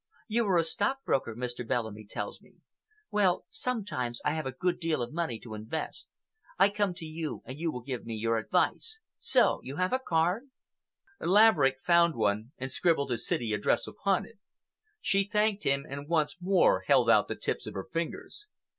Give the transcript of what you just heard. You are a stockbroker, Mr. Bellamy tells me. Well, sometimes I have a good deal of money to invest. I come to you and you will give me your advice. So! You have a card!" Laverick found one and scribbled his city address upon it. She thanked him and once more held out the tips of her fingers.